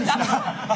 ハハハ！